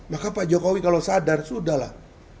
maka pak jokowi kalau sadar sudah lah